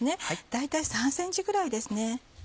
大体３ｃｍぐらいですね。